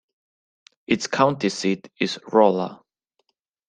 Its county seat is Rolla.